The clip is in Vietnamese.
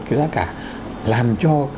cái giá cả làm cho